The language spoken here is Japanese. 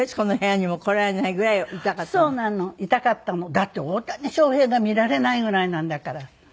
だって大谷翔平が見られないぐらいなんだから。